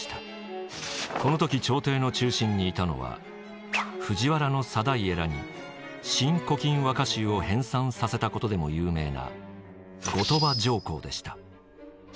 この時朝廷の中心にいたのは藤原定家らに「新古今和歌集」を編纂させたことでも有名な後鳥羽上皇でした。